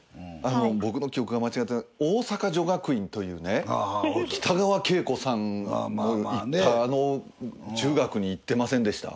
僕の記憶が間違って大阪女学院というね北川景子さんも行ったあの中学に行ってませんでした？